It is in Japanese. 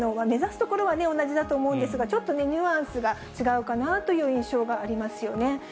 目指すところは同じだと思うんですが、ちょっとね、ニュアンスが違うかなという印象がありますよね。